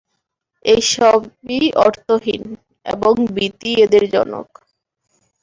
এসবই অর্থহীন, এবং ভীতিই এদের জনক।